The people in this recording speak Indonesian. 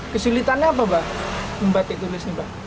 kesulitannya apa mbah membatik tulisnya mbah